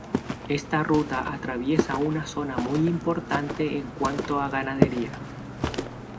Esta ruta atraviesa una zona muy importante en cuanto a ganadería.